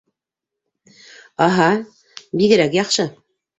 — Аһа, бигерәк яҡшы.